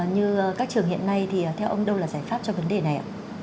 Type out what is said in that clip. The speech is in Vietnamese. như các trường hiện nay thì theo ông đâu là giải pháp cho vấn đề này ạ